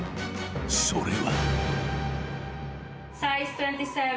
それは］